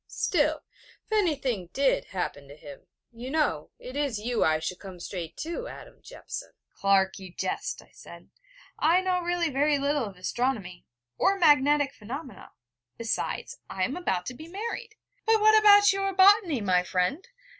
'Still, if anything did happen to him, you know, it is you I should come straight to, Adam Jeffson.' 'Clark, you jest,' I said: 'I know really very little of astronomy, or magnetic phenomena. Besides, I am about to be married....' 'But what about your botany, my friend?